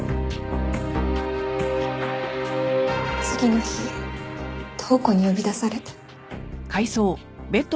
次の日塔子に呼び出されて。